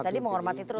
tadi menghormati terus